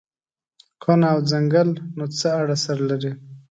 کونه او څنگل نو څه اړه سره لري.